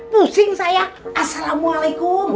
pusing saya assalamualaikum